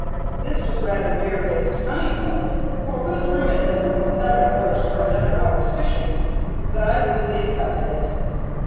This was rather barefaced kindness, for whose rheumatism was ever the worse for another hour's fishing? But I weakly accepted it.